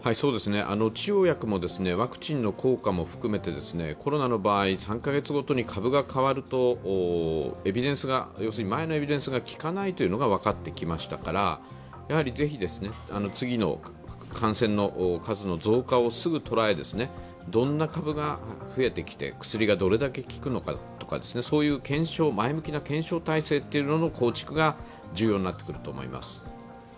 治療薬もワクチンの効果も含めてコロナの場合、３カ月ごとに株が変わると前のエビデンスがきかないというのが分かってきましたから、やはりぜひ次の感染の数の増加をすぐ捉えどんな株が増えてきて、薬がどれだけ効くのかといったそういう前向きな検証体制の構築が重要になってくると思います。